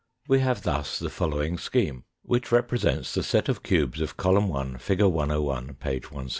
We have thus the following scheme, which represents the set of cubes of column 1, fig. 101, page 165.